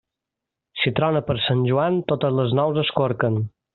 Si trona per Sant Joan, totes les nous es corquen.